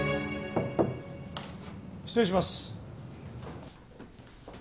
失礼します。